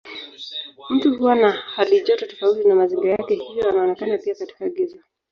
Mtu huwa na halijoto tofauti na mazingira yake hivyo anaonekana pia katika giza.